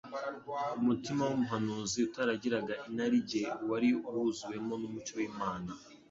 Umutima w’umuhanuzi utaragiraga inarijye, wari wuzuwemo n’umucyo w’Imana.